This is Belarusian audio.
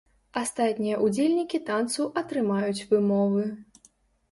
Астатнія ўдзельнікі танцу атрымаюць вымовы.